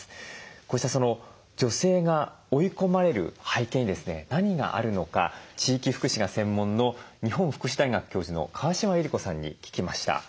こうした女性が追い込まれる背景にですね何があるのか地域福祉が専門の日本福祉大学教授の川島ゆり子さんに聞きました。